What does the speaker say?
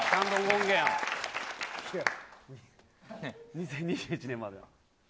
２０２１年までの。